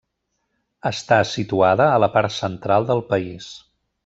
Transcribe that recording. Està situada a la part central del país.